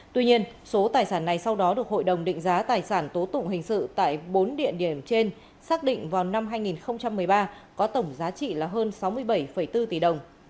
tuy nhiên số tài sản này sau đó được hội đồng định giá tài sản tố tụng hình sự tại bốn địa điểm trên xác định vào năm hai nghìn một mươi ba có tổng giá trị là hơn sáu mươi bảy bốn tỷ đồng